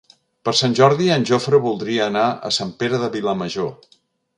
Per Sant Jordi en Jofre voldria anar a Sant Pere de Vilamajor.